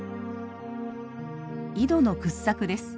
井戸の掘削です。